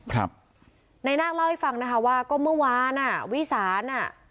ครับนายนาคเล่าให้ฟังนะคะว่าก็เมื่อวานอ่ะวิสานอ่ะ